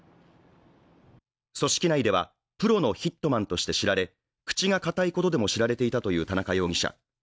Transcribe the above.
組織内ではプロのヒットマンとして知られ口が堅いことでも知られていたという田中容疑者。